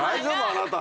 あなた。